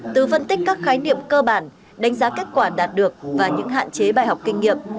từ phân tích các khái niệm cơ bản đánh giá kết quả đạt được và những hạn chế bài học kinh nghiệm